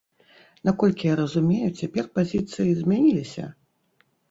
Наколькі я разумею, цяпер пазіцыі змяніліся?